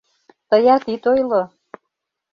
Тыят ит ойло.